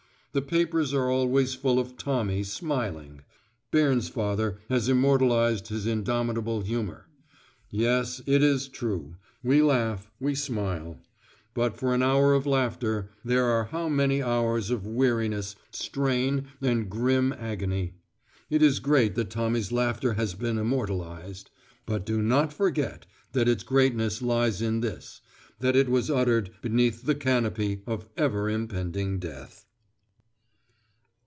The papers are always full of Tommy smiling: Bairnsfather has immortalised his indomitable humour. Yes, it is true. We laugh, we smile. But for an hour of laughter, there are how many hours of weariness, strain, and grim agony! It is great that Tommy's laughter has been immortalised; but do not forget that its greatness lies in this, that it was uttered beneath the canopy of ever impending Death.